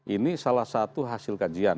ini salah satu hasil kajian